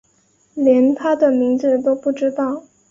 连他的名字都不知道